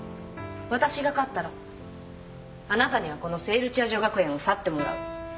わたしが勝ったらあなたにはこの聖ルチア女学園を去ってもらう。